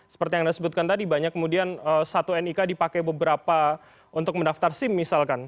seperti yang anda sebutkan tadi banyak kemudian satu nik dipakai beberapa untuk mendaftar sim misalkan